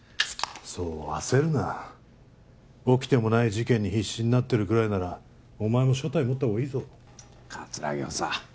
そう焦るな起きてもない事件に必死になってるぐらいならお前も所帯持ったほうがいいぞ葛城補佐